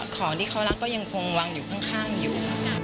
ของที่เขารักก็ยังคงวางอยู่ข้างอยู่